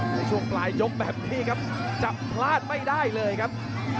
ในช่วงปลายยกแบบนี้ครับจะพลาดไม่ได้เลยครับ